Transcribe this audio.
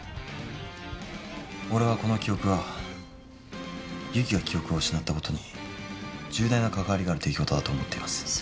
俺はこの記憶は由岐が記憶を失ったことに重大なかかわりがある出来事だと思っています。